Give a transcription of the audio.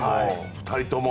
２人とも。